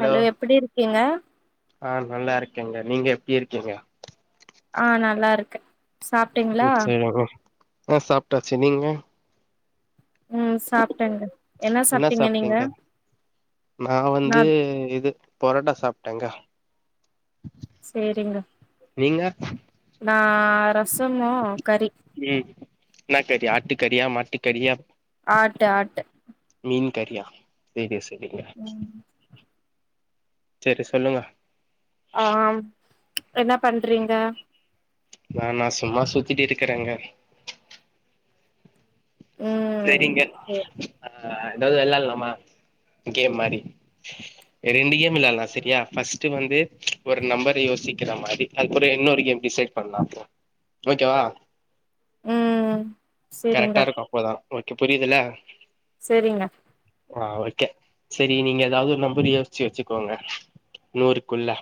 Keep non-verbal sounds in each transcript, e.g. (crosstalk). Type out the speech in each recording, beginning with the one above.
hello எப்படி இருக்கீங்க ஆ நல்லா இருக்கேங்க நீங்க எப்டி இருக்கீங்க ஆ நல்லா இருக்க (unintelligible) ஆ சாப்டாச்சு நீங்க ம் சாப்டங்க என்னா சாப்டீங்க நா வந்து இது பொரோட்டா சாப்டேங்க செரிங்க நீங்க நா ரசமோ கறி ம் என்ன கறி ஆட்டுக்கறியா மாட்டு கறியா ஆட்டு ஆட்டு மீன் கறியா சேரி சேரிங்க ம் சரி சொல்லுங்க ஆம் என்ன பண்றீங்க நானா சும்மா சுத்திட்டு இருக்குறேங்க ம் செரிங்க சேரி ஆ எதாவது விளாட்லாமா கேம் மாரி ரெண்டு கேம் விளாட்லா செரியா ஃபர்ஸ்ட் வந்து ஒரு நம்பர் யோசிக்கிற மாரி அதுக்கப்புற இன்னொரு கேம் டிசைட் பண்லா அப்றோ ஓகேவா ம் கரெக்டா சேரிங்க இருக்கு அப்போதா ஓகே புரியுதுல செரிங்க ஆ ஓகே செரி நீங்க ஏதாவது ஒரு நம்பர் யோசிச்சு வச்சுக்கோங்க நூறுக்குள்ள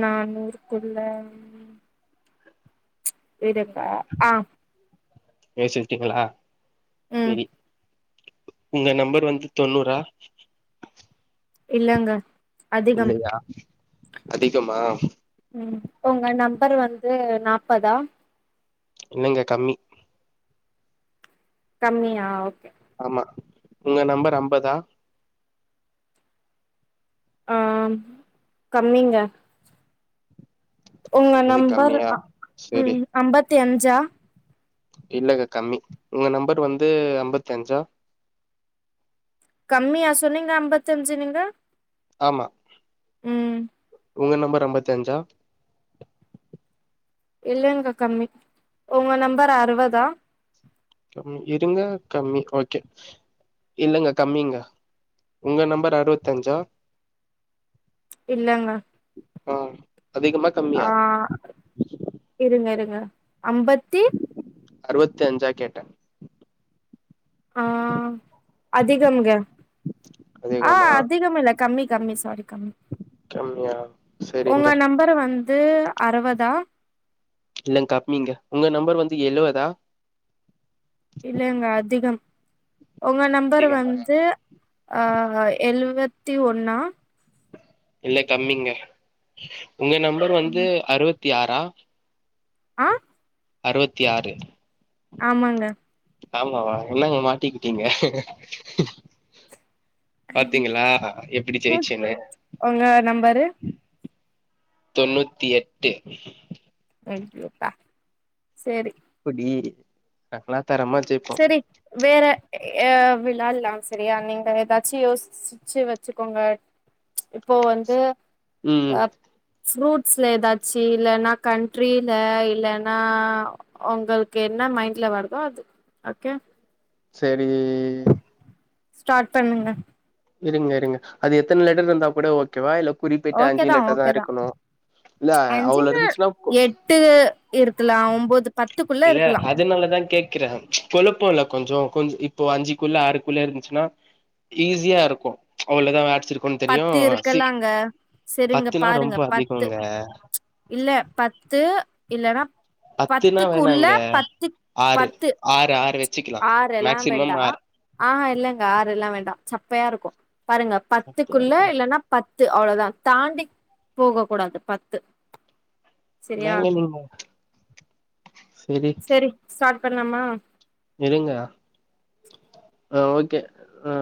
நா நூறுக்குள்ள இருக்கா ஆஹ் யோசி வச்சிட்டீங்களா ம் ரெடி உங்க நம்பர் வந்து தொண்ணூறா இல்லங்க அதிகம் இல்லையா அதிகமா ம் உங்க நம்பர் வந்து நாப்பதா இல்லங்க கம்மி கம்மியா ஓகே ஆமா உங்க நம்பர் அம்பதா ஆஹ் கம்மிங்க உங்க அம்பது நம்பர் கம்மியா செரி ம் அம்பத்தி அஞ்சா இல்லங்க கம்மி உங்க நம்பர் வந்து அம்பத்தி அஞ்சா கம்மியா சொன்னீங்க அம்பத்தஞ்சு நீங்க ஆமா ம் உங்க நம்பர் அம்பத்தஞ்சா இல்லங்க கம்மி உங்க நம்பர் அறுவதா கம்மி இருங்க கம்மி ஓகே இல்லங்க கம்மிங்க உங்க நம்பர் அறுவத்தஞ்சா இல்லங்க ஆ அதிகமா கம்மியா ஆஹ் இருங்க இருங்க அம்பத்தி அறுவத்தி அஞ்சா கேட்ட ஆஹ் அதிகம்ங்க ஆ அதிகமா அதிகம் இல்ல கம்மி கம்மி சாரி கம்மி அப்டியா சரி உங்க நம்பர் வந் து அறுவதா இல்லங்க கம்மிங்க உங்க நம்பர் வந்து எழுவதா இல்லங்க அதிகம் உங்க நம்பர் அதிகமா வந்து ஆஹ் எழுவத்தி ஒன்னா இல்ல கம்மிங்க உங்க நம்பர் வந்து அறுவத்தி ஆறா ஆ அறுவத்தி ஆறு ஆமாங்க ஆமாவா என்னங்க மாட்டிக்கிட்டீங்க பாத்தீங்களா எப்டி ம் ஜெயிச்சேன்னு உங்க நம்பரு தொண்ணூத்தி எட்டு அய்யோப்பா சேரி புடி நா லா தரமாச்சே செரி வேற எ விளால்லா சரியா நீங்க ஏதாச்சி யோஸ் சுச்சு வச்சுக்கோங்க இப்போ வந்து ம் அப் ஃப்ரூட்ஸ்ல ஏதாச்சி இல்லன்னா கண்ட்ரில இல்லேன்னா உங்களுக்கு என்ன மைண்ட்ல வருதோ அது ஆகே சரி ஸ்டாட் பண்ணுங்க இருங்க இருங்க அது எத்துன் லெட்டர் இருந்தா கூட ஓகேவா இல்ல குறிப்பிட்டு அஞ்சு லெட்டர் தா இருக்கணு இல்ல அவ்ளோ அஞ்சதா இருந்துச்சுன்னா கொ எட்டு இருக்கலா ஒம்பது பத்துக்குள்ள இருக் அஜனால தா கேக் க்கிற குழப்போ இல்ல கொஞ்சோ கொஞ்ச் இப்போ அஞ்சிக்குள்ள ஆறுக்குள்ள இருந்துச்சுன்னா ஈஸியா ருக்கு அவ்ளதா ஆட்ச்சிரு பத்து இருக்கல்லாங்க சருங்க பத்துனா பாருங்க ரொம்ப பத்து அதிகங்க இல்ல பத்து இல்லன்னா பத்துனா பத்துக் உள்ள பத்திப் பத்து ஆற் ஆறு வச்சுக்கலா ஆரெல்லா மேக்சிமம் வெண்டா ஆறு ஆஹா இல்லங்க ஆறுல்லா வேண்டா சப்பையா இருக்கு பாருங்க சத்தா பத்துக்குள்ள இருக்கு இல்லன்னாப் பத்து அவ்ளோதா தாண்டி போக கூடாது பத்து சரியா மேங்கோ மில்மோ செரி ஸ்டாட் பண்லாமா இருங்க ஆ ஓகே ஆ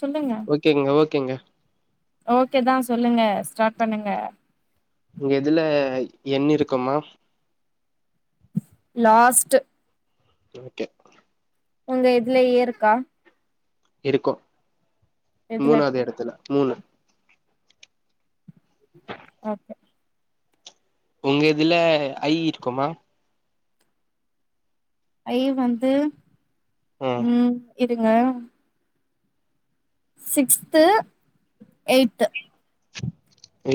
சொல்லுங்க கேங்க ஓகேங்க ஓகே தா சொல்லுங்க ஸ்டாட் பண்ணுங்க உங்க இதுல என் இருக்குமா லாஸ்ட்டு கே கே உங்க இதுலயே இருக்கா இருக்கு இதுல மூணாவது இடத்துல மூணு ஓகே உங்க இதுல ஐ இருக்கோமா ஐ வந்து ஆ உம் இருங்க சிக்ஸ்த்து எய்த்து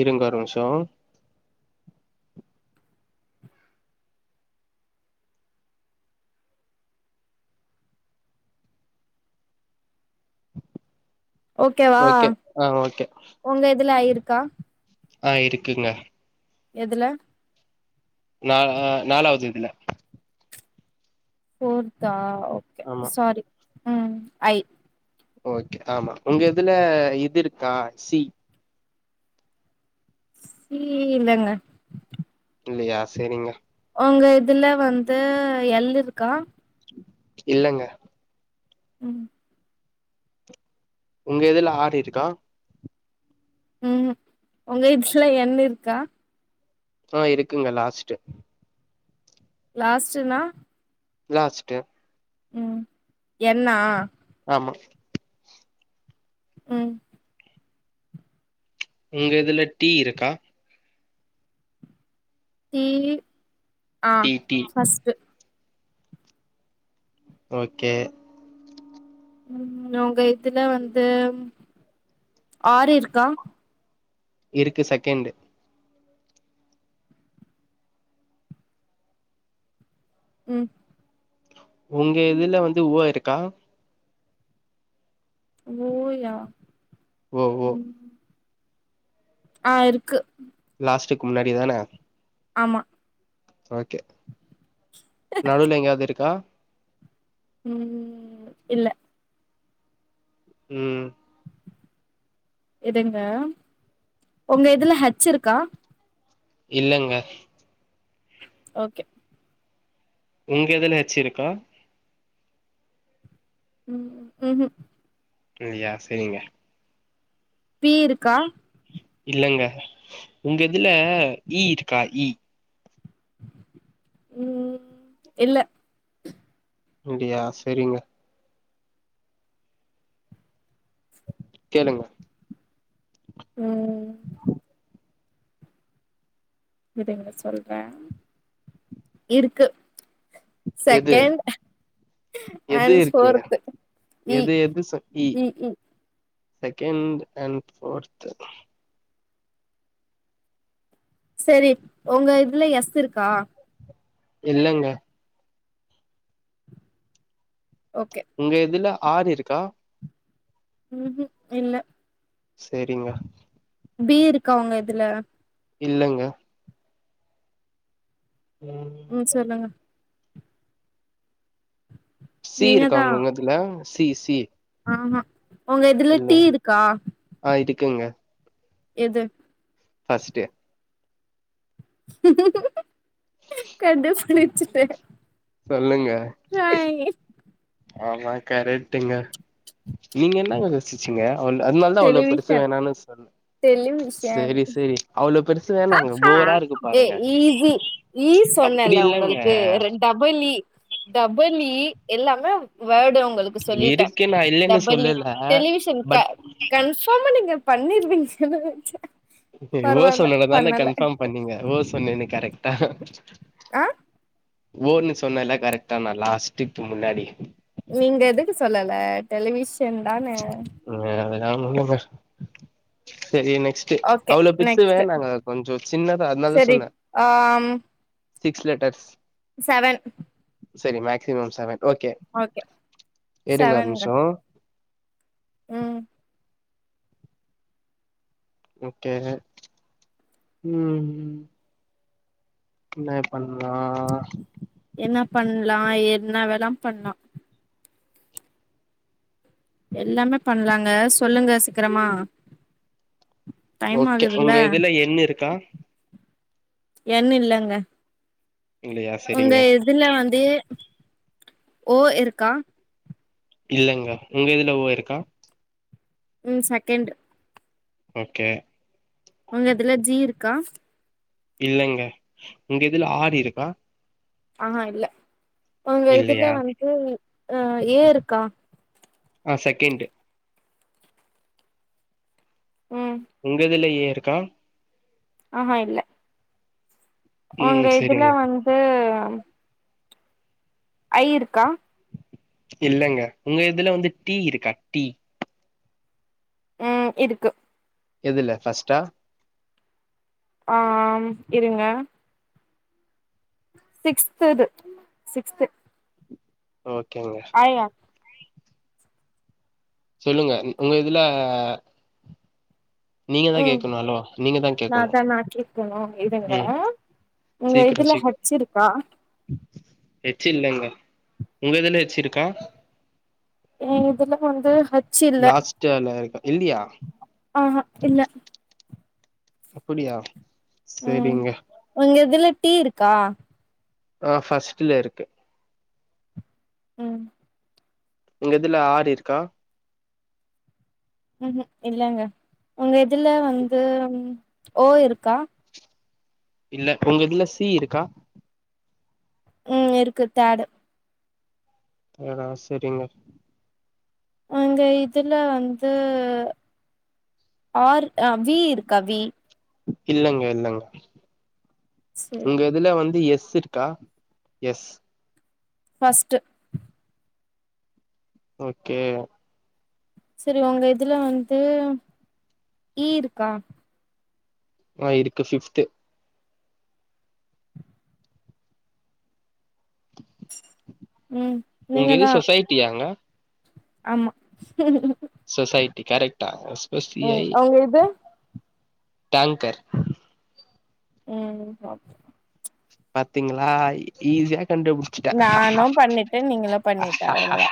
இருங்க ஒரு மிஷோ ஓகேவா ஓகே ஆ ஓகே உங்க இதுல ஆயிருக்கா ஆ இரிக்குங்க எதுல நா ஆ நாலாவது இதுல ஃபோர்த்தா ஓகே ஆமா சாரி உம் ஐ ஓகே ஆமா உங்க இதுல இது இருக்கா சி ஈயே இதாங்க இல்லையா சரிங்க உங்க இதுல வந்து யள் இருக்கா இல்லங்க ம் உங்க இதுல ஆர் இருக்கா உம் உங்க இத்ல என் இருக்கா ஆ இருக்குங்க லாஸ்ட்டு லாஸ்ட்டுனா லாஸ்ட் ம் என் னா ஆமா ம் உங்க இதுல டீ இருக்கா டீ ஆ டி டி ஃபஸ்ட்டு ஓகே ம் உங்க இதுல வந்து ஆர் இருக்கா இருக்கு செகண்டு ம் உங்க இதுல வந்து ஓ இருக்கா ஓ யா ஓ ஓ ம் ஆ இருக்கு லாஸ்டுக்கு முன்னாடி தான ஆமா ஓகே நடுவுல எங்கயாவது இருக்கா ம் இல்ல ம் இதுங்க உங்க இதுல ஹச் இருக்கா இல்லங்க ஓகே உங்க இதுல ஹச் இருக்கா ம் ம்ஹூம் இல்லயா சேரிங்க பீ இருக்கா இல்லங்க உங்க இதுல இ இருக்கா இ ம் இல்ல அப்டியா சேரிங்க கேளுங்க ம் இருங்க சொல்ற இருக்கு எது செகண்ட் எது அண்ட் இருக்குங்க ஃபோர்த்து இ எது எது செ இ செகண்ட் அண்ட் ஃபோர்த் சரி உங்க இதுல எஸ் இருக்கா இல்லங்க ஓகே உங்க இதுல ஆர் இருக்கா ம்ஹூம் இல்ல சேரிங்க பி இருக்கா உங்க இதுல இல்லங்க ம் சி இருக்காங்க உங்க இதுல சி சி ஆஹ உங்க இதுல இல்ல டீ இருக்கா ஆ இருக்குங்க எது ஃபஸ்ட் கண்டு புடிச்சிட்டே சொல்லுங்க ஆமா கரெக்ட்டுங்க நீங்க என்னங்க சிச்சுங்க அதனால தா அவ்ளோ பெருசு டெலிவிஷன் வேணான்னு சொன்னே சேரி டெலிவிஷன் சேரி அவ்ளோ பெருசு வேணாங்க போரா இருக்கு ஏ பாருங்க ஈஸி ஈ அப்டி சொன்னேல்ல இல்லங்க உங்களுக்கு ரெண்டாம் டபிள் ஈ டபிள் ஈ எல்லாமே வேடு உங்களுக்கு இப்ப சொல்லிட்டே இருக்கு நா இல்லன்னு டபிள் ஈ சொல்லல டெலிவிஷன் க பட் கன்ஸ் ஆமா நீங்க பண்ணிருவீங்கன்னு நெனச்சே ஓ பரவால்ல சொன்னது தானே பண்ணல கன்ஃபாம் பண்ணீங்க ஓ சொன்னேனே கரெக்டா ஆ ஓன்னு சொன்னேல்லா கரெக்டா நா லாஸ்ட்டுக்கு முன்னாடி நீங்க எதுக்கு சொல்லல டெலிவிஷன் தானே ம் அதல்லா முன்னங்க செரி நெக்ஸ்ட் ஓகே அவ்ளோ பெர்சு நெக்ஸ்ட் வேனாங்க கொஞ்சோ சின்னதா அதனால தா சரி சொன்னே ஆம் சிக்ஸ் லெட்டர்ஸ் சவன் செரி மேக்சிமம் சவன் ஓகே ஓகே இருங்க ஒரு செவன்ங்க நிம்ஷோ ம் ஓகே ம்ம் என்ன பண்லா என்ன பண்லா என்ன வேலா பண்லா எல்லாமே பண்லாங்க சொல்லுங்க சீக்கிரமா டைம் ஓகே ஆகுதுல்ல உங்க இதுல என் இருக்கா என் இல்லங்க இல்லையா உங்க செரிங்க இதுல வந்து ஓ இருக்கா இல்லங்க உங்க இதுல ஓ இருக்கா ம் செக்கேண்டு ஓகே உங்க இதுல ஜீ இருக்கா இல்லைங்க உங்க இதுல ஆர் இருக்கா அ ஹ இல்ல உங்க இல்லையா இதுல வந்து அ ஏ இருக்கா ஆ செக்கேண்டு ம் உங்க இதுல ஏ இருக்கா அ ஹ இல்ல உங்க ம் இதுல சரிங்க வந்து ஐ இருக்கா இல்லங்க உங்க இதுல வந்து டி இருக்கா டி அ இருக்கு எதுல ஃபஸ்ட்டா ஆ ம் இருங்க சிக்ஸ் இது சிக்ஸ்து ஓகேங்க ஐ யா சொல்லுங்க உங்க இதுல நீங்க தா ம் கேக்கணு ஹலோ நீங்க நா கேக்கணு தா நா கேக்கனு இருங்க ம் உங்க இதுல ஹச் இருக்கா ஹேச் இல்லங்க உங்க இதுல ஹேச் இருக்கா ஏ இதுல வந்து ஹச் இல்ல லாஸ்ட்டல இருக்க இல்லியா ஆமா இல்ல அப்புடியா செரிங்க ஒங்க இதுல டீ இருக்கா ஆ ஃபர்ஸ்ட்ல இருக்கு ம் எங்க இதல ஆர் இருக்கா ம் ம் இல்லங்க ஒங்க இதுல வந்து ம் ஓ இருக்கா இல்ல ஒங்க இதுல சி இருக்கா ம் இருக்கு தேர்டு ஏறா செரிங்க அங்க இதுல வந்து ஆர் அ வி இருக்கா வி இல்லங்க இல்லங்க சரி உங்க இதுல வந்து எஸ் இருக்கா எஸ் ஃபஸ்ட்டு ஓகே செரி ஒங்க இதுல வந்து ஈ இருக்கா ஆ இருக்கு ஃபிப்த்து ம் உங்க இது சொசைட்டியாங்க ஆம்மா சொசைட்டி கரெக்டா எஸ்பஸ்தியை எது டேங்க்கர் ம் சாப் பாத்தீங்களா ஈஸியா கண்டுபுடிச் சிட்ட நானு பண்ணிட்டே நீங்களு பண்ணிட்ட அவ்ளோதா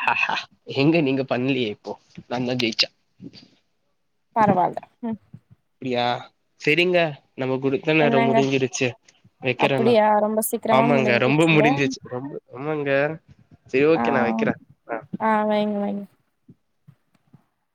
எங்க நீங்க பண்லியே இப்போ நாந்தா ஜெயிச்ச பரவால்ல ம் அப்டியா செரிங்க நம்ம குடுத்த நேரோ என்னங்க முடுஞ்சிருச்சு வெக்கறே நா அப்டியா ரொம்ப சீக்கிரமா ஆமாங்க ரொம்ப முடிஞ்சிச்சுல முடுஞ்சிச்சு ரொம்ப ஆமாங்க செரி ஆ ஓகே நா வெக்கறே ஆ வைங்க வைங்க